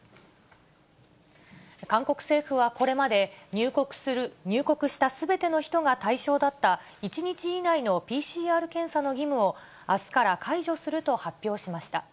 韓国政府はこれまで、入国したすべての人が対象だった、１日以内のＰＣＲ検査の義務を、あすから解除すると発表しました。